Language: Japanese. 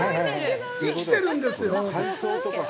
生きてるんですよ。